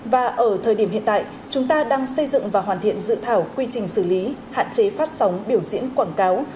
và ở thời điểm hiện tại chúng ta đang xây dựng và hoàn thiện dự thảo quy trình xử lý hạn chế phát sóng biểu diễn quảng cáo